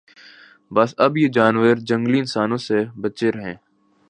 بس اب یہ جانور جنگلی انسانوں سے بچیں رھیں